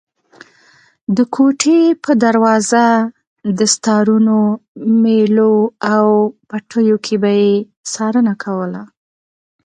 د کوټې په دروازه، دستارونو، مېلو او پټیو کې به یې څارنه کوله.